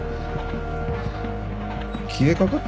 消えかかってた